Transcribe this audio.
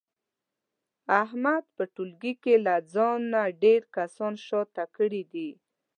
احمد په ټولګي له ځانه ډېر کسان شاته کړي دي.